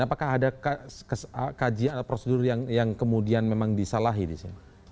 apakah ada kajian atau prosedur yang kemudian memang disalahi di sini